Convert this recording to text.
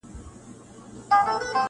چا پوستين كړ له اوږو ورڅخه پورته -